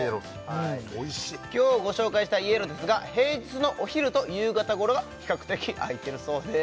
今日ご紹介したｙｅｌｏですが平日のお昼と夕方ごろが比較的空いてるそうです